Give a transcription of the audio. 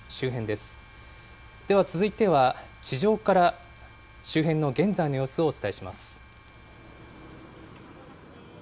では続いては、地上から、周辺の現在の様子をお伝えします。